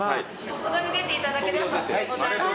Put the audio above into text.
国道に出ていただければバス停ございます。